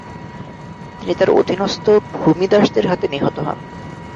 তিনি তার অধীনস্থ ভূমিদাসদের হাতে নিহত হন।